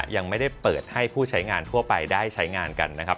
ยังไม่ได้เปิดให้ผู้ใช้งานทั่วไปได้ใช้งานกันนะครับ